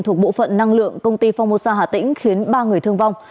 thuộc bộ phận năng lượng công ty phong mô sa hà tĩnh khiến ba người thương vong